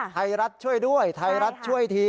ไทยรัฐช่วยด้วยไทยรัฐช่วยที